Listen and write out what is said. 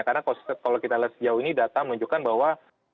karena kalau kita lihat sejauh ini data menunjukkan bahwa